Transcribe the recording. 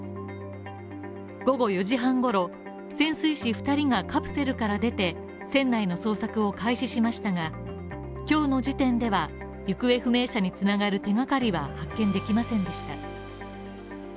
午後４時半ごろ、潜水士２人がカプセルから出て、船内の捜索を開始しましたが、今日の時点では、行方不明者に繋がる手がかりは発見できませんでした。